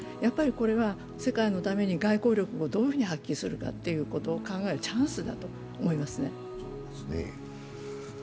これは世界のために外交力をどういうふうに発揮するかを考えるチャンスだと思いますね。